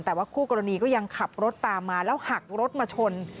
แต่ว่าคู่กรณีก็ยังขับรถตามมาแล้วหักรถมาชน